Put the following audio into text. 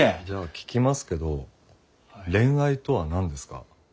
じゃあ聞きますけど恋愛とは何ですか？